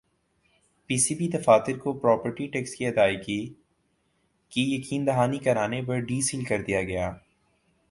پی C B دفاتر کو property tax کی ادائیگی کی یقین دہانی کرانے پر ڈی سیل کر دیا گیا